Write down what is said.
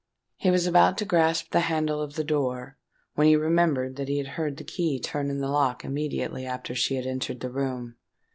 He was about to grasp the handle of the door, when he remembered that he had heard the key turn in the lock immediately after she had entered the room.